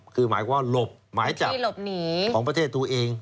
คือหมายความหลบหมายจับลบหนีของที่ตัวเอง